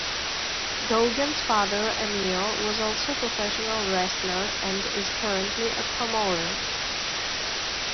Goguen's father, Emile, was also a professional wrestler and is currently a promoter.